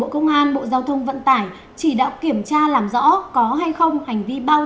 có dấu hiệu vi phạm pháp luật